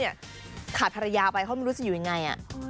พี่อุ๋ยบุ๊ดด้าไปเขาไม่รู้จะอยู่ยังไง